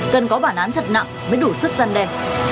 cần có bản án thật nặng mới đủ sức gian đe